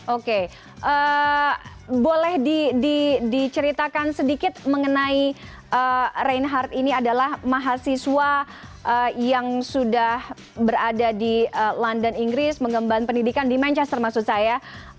oke boleh diceritakan sedikit mengenai reinhardt ini adalah mahasiswa yang sudah berada di london inggris mengemban pendidikan di manchester maksud saya